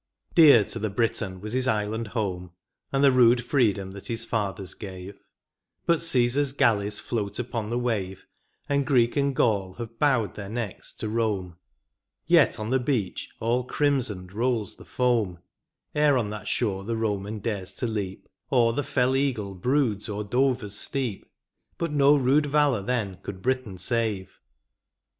Dear to the Briton was his island home And the rude freedom that his fathers gave. But CflBsar's galleys float upon the wave, And Greek and Gaul have bowed their necks to Bome. Yet on the beach all crimsoned rolls the foam. Ere on that shore the Boman dares to leap, Or the fell eagle broods o er Dover's steep. But no rude valour then could Britain save.